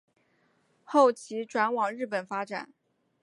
其后转往日本发展。